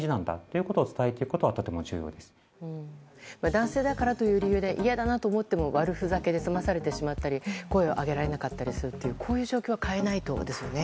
男性だからという理由で嫌だなと思っても悪ふざけで済まされてしまったり声を上げられなかったりするという状況は変えないとですね。